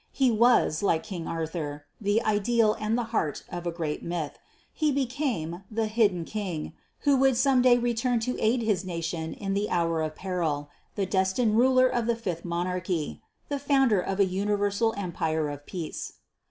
He was, like King Arthur, the ideal and the heart of a great myth. He became "The Hidden King" who would some day return to aid his nation in the hour of peril the destined Ruler of the Fifth Monarchy, the founder of an universal Empire of Peace.